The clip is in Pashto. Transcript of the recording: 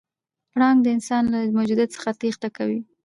پړانګ د انسان له موجودیت څخه تېښته کوي.